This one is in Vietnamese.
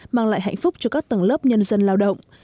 mang lại hạnh phúc cho các tầng lớp nhân dân lao động